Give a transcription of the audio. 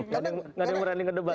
gak ada yang berani ngedebat